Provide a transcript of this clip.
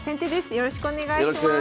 よろしくお願いします。